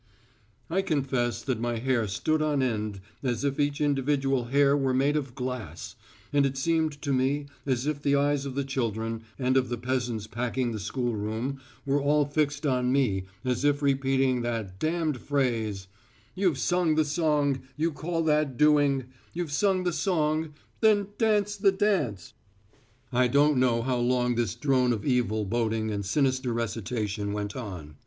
I confess that my hair stood on end as if each individual hair were made of glass, and it seemed to me as if the eyes of the children and of the peasants packing the schoolroom were all fixed on me as if repeating that d d phrase: "You've sung the song, you call that doing, You've sung the song, then dance the dance." I don't know how long this drone of evil boding and sinister recitation went on.